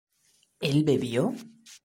¿él bebió?